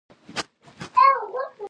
د یوې سیمې یوې قبیلې مال نه دی.